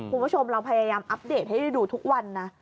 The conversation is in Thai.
คุณผู้ชมเราพยายามอัปเดตให้ได้ดูทุกวันนะ